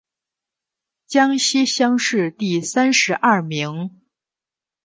江西乡试第三十二名。